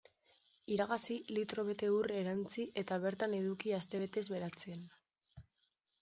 Iragazi, litro bete ur erantsi eta bertan eduki astebetez beratzen.